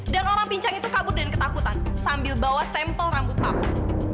dan orang pincang itu kabur dengan ketakutan sambil bawa sampel rambut papa